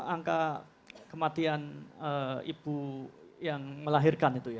angka kematian ibu yang melahirkan itu ya